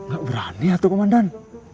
gak berani hati komandan